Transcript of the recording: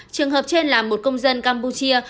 trường hợp trên là một công dân campuchia